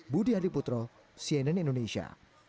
budi hadi putro cnn indonesia